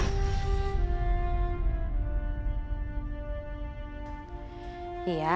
nanti kamu tenang aja